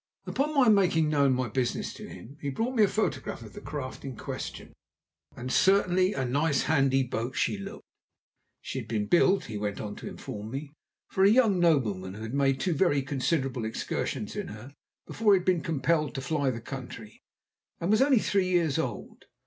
Upon my making known my business to him, he brought me a photograph of the craft in question, and certainly a nice handy boat she looked. She had been built, he went on to inform me, for a young nobleman, who had made two very considerable excursions in her before he had been compelled to fly the country, and was only three years old.